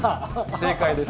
正解です。